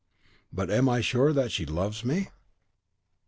"But am I sure that she does love me?"